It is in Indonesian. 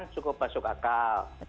cukup masuk akal